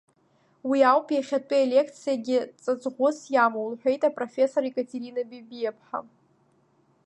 Уи ауп иахьатәи слекциагьы ҵаҵӷәыс иамоу, — лҳәеит апрофессор Екатерина Бебиаԥҳа.